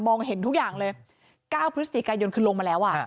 เห็นทุกอย่างเลย๙พฤศจิกายนคือลงมาแล้ว